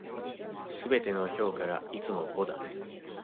全ての評価がいつも五だ。